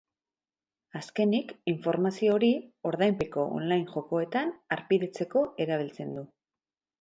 Azkenik, informazio hori ordainpeko online jokoetan harpidetzeko erabiltzen du.